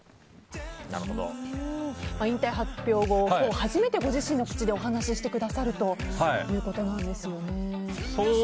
引退発表後今日初めてご自身の口でお話ししてくださるということなんですよね。